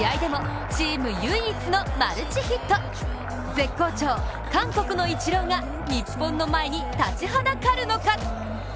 絶好調、韓国のイチローが日本の前に立ちはだかるのか。